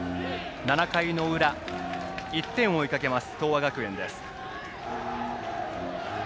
７回の裏、１点を追いかけます東亜学園です。